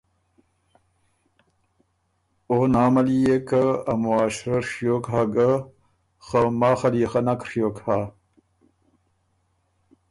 او نامه ليې که ا معاشره ڒیوک هۀ ګۀ، خه ماخه ليې خه نک ڒیوک هۀ۔